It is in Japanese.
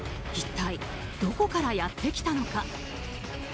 一体どこからやってきたのか。